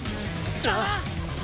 ああ！